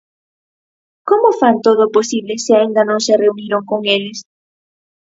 ¿Como fan todo o posible se aínda non se reuniron con eles?